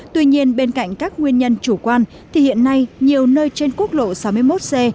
tuy nhiên bên cạnh các nguyên nhân chủ quan thì hiện nay nhiều nơi trên quốc lộ sáu mươi một c